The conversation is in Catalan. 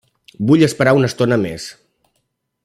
Vull esperar una estona més.